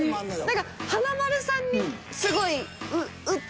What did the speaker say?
何か華丸さんにすごいうっ！